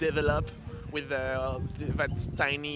di dalam keistimewa saat ini